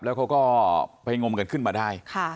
แล้วเขาก็ไปงมกันขึ้นมาได้